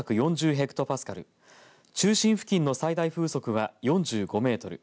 ヘクトパスカル中心付近の最大風速は４５メートル